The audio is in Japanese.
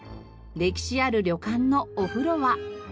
歴史ある旅館のお風呂は？